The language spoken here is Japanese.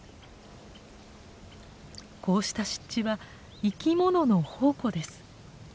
こうした湿地は生きものの宝庫です。